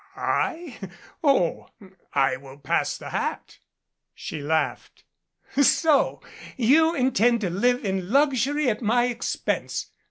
"I Oh, I will pass the hat." She laughed. "So ! You intend to live in luxury at my expense.